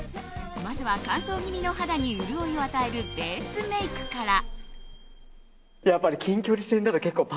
まずは乾燥気味の肌に潤いを与えるベースメイクから。